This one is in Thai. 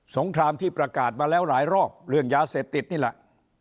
งครามที่ประกาศมาแล้วหลายรอบเรื่องยาเสพติดนี่แหละ